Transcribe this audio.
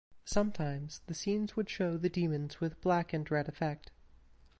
Sometimes the scenes would show the demons with black and red effect.